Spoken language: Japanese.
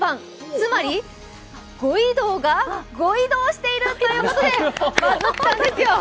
つまり、五位堂がご移動しているっていうことでバズったんですよ。